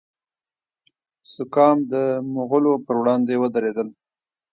سکام د مغولو پر وړاندې ودریدل.